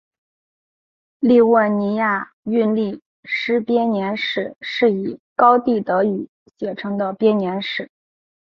利沃尼亚韵律诗编年史是以高地德语写成的编年史。